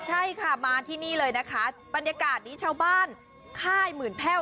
ใช่ค่ะมาที่นี่เลยนะคะบรรยากาศนี้ชาวบ้านค่ายหมื่นแพ่ว